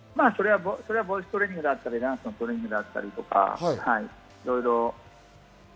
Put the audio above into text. ボイストレーニングだったり、ダンスのトレーニングだったり、いろいろ。